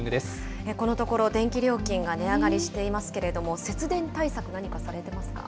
このところ、電気料金が値上がりしていますけれども、節電対策、何かされてますか？